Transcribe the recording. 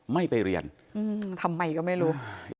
ไม่ไปเรียนทำไมก็ไม่รู้